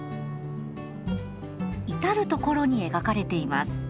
至るところに描かれています。